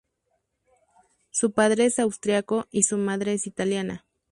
Su padre es austriaco y su madre es italiana.